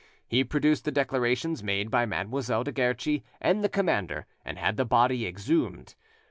He produced the declarations made by Mademoiselle de Guerchi and the commander, and had the body exhumed.